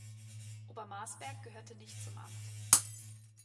Obermarsberg gehörte nicht zum Amt.